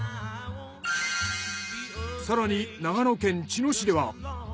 更に長野県茅野市では。